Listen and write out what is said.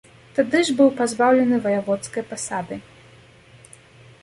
Тады ж быў пазбаўлены ваяводскай пасады.